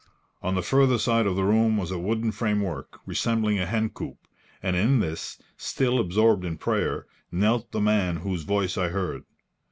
On the further side of the room was a wooden framework resembling a hencoop, and in this, still absorbed in prayer, knelt the man whose voice I heard.